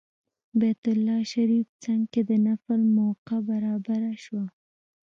بیت الله شریف څنګ کې د نفل موقع برابره شوه.